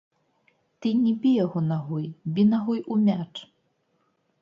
Ты не бі яго нагой, бі нагой у мяч.